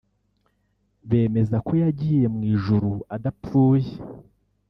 Bemeza ko yagiye mu ijuru adapfuye